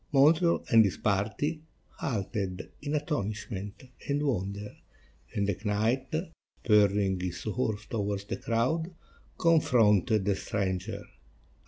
Montreal and his party halted in astonishment and wonder, and the knight, spurring his horse towards the crowd, confronted the stranger.